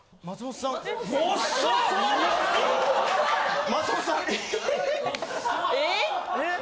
松本さん？え？